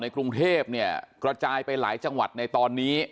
กรุงเทพเนี่ยกระจายไปหลายจังหวัดในตอนนี้